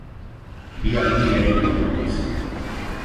Bihar ni ere joango naiz